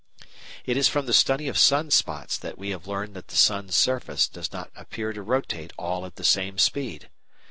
] It is from the study of sun spots that we have learned that the sun's surface does not appear to rotate all at the same speed.